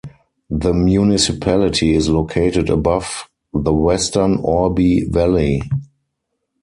The municipality is located above the western Orbe valley.